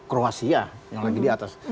kroasia yang lagi di atas